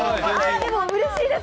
でも、うれしいです！